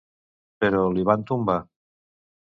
Però li van tombar.